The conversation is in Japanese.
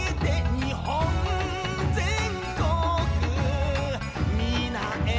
「日本全国みな笑顔」